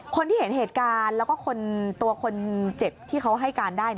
คนที่เห็นเหตุการณ์แล้วก็ตัวคนเจ็บที่เขาให้การได้